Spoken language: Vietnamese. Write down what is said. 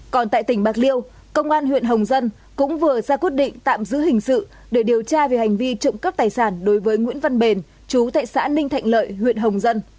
còn tại tỉnh bạc liêu công an huyện hồng dân cũng vừa ra quyết định tạm giữ hình sự để điều tra về hành vi trộm cắp tài sản đối với nguyễn văn bền chú tại xã ninh thạnh lợi huyện hồng dân